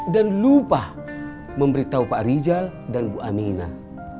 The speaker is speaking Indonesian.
dan lupa memberitahu pak rijal dan bu aminah